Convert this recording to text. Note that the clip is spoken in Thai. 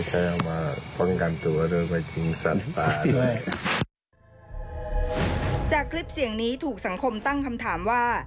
จากคลิปเสียงนี้ถูกสังคมตั้งคำถามว่า